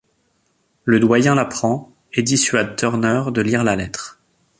Le doyen l'apprend et dissuade Turner de lire la lettre.